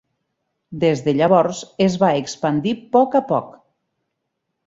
Des de llavors, es va expandir poc a poc.